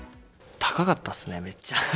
高かったですね、めっちゃ。